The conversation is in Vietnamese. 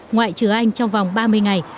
ngoại trừ anh trong vòng ba mươi ngày